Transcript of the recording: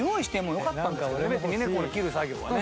この切る作業はね。